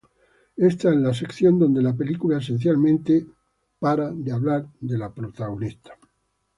Esta es la sección donde la película esencialmente para de hablar de la Prop.